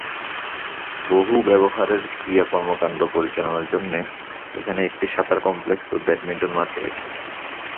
বহু-ব্যবহারের ক্রীড়া কর্মকাণ্ড পরিচালনার জন্যে এখানে একটি সাঁতার কমপ্লেক্স ও ব্যাডমিন্টন মাঠ রয়েছে।